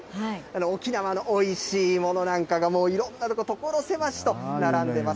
沖縄のおいしいものなんかが、いろんな所、所狭しと並んでます。